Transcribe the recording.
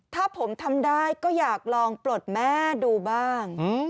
ถ้าผมทำได้ก็อยากลองปลดแม่ดูบ้าง